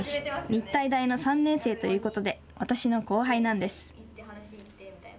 日体大の３年生ということで私の後輩なんです。